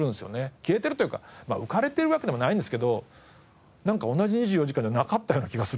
消えてるというか浮かれてるわけでもないんですけど同じ２４時間じゃなかったような気がするんですよね。